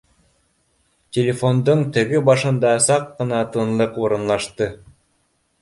Телефондың теге башында саҡ ҡына тынлыҡ урынлаш ты